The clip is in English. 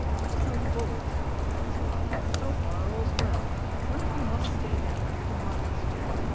"Let's go forward now," cried Swot. "So far, all's well. One of you must stay down here to mind this chap."